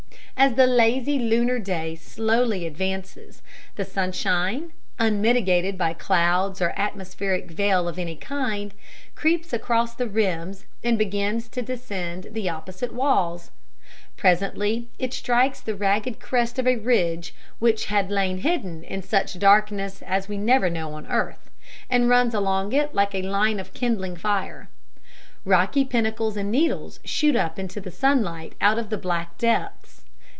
As the lazy lunar day slowly advances, the sunshine, unmitigated by clouds or atmospheric veil of any kind, creeps across their rims and begins to descend the opposite walls. Presently it strikes the ragged crest of a ridge which had lain hidden in such darkness as we never know on the earth, and runs along it like a line of kindling fire. Rocky pinnacles and needles shoot up into the sunlight out of the black depths.